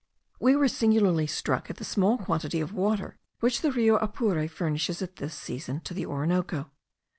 We were singularly struck at the small quantity of water which the Rio Apure furnishes at this season to the Orinoco.